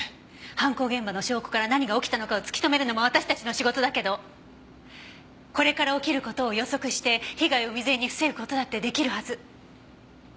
犯行現場の証拠から何が起きたのかを突き止めるのも私たちの仕事だけどこれから起きる事を予測して被害を未然に防ぐ事だって出来るはず。